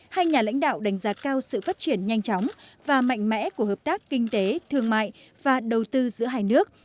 hai nhà lãnh đạo đánh giá cao sự phát triển nhanh chóng và mạnh mẽ của hợp tác kinh tế thương mại và đầu tư giữa hai nước